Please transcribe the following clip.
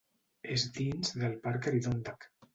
És dins del parc Adirondack.